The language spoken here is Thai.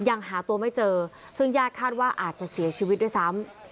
ยังหาตัวไม่เจอซึ่งญาติคาดว่าอาจจะเสียชีวิตด้วยซ้ำ